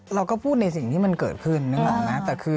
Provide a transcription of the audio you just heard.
เราก็พูดในสิ่งที่มันเกิดขึ้นนะครับนะ